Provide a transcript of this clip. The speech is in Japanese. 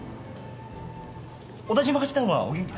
小田嶋八段はお元気ですか？